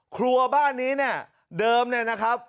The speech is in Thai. ครัวบ้านนี้เนี่ยเดิมเนี่ยนะครับ